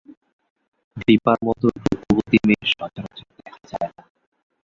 দিপার মতো রূপবতী মেয়ে সচরাচর দেখা যায় না।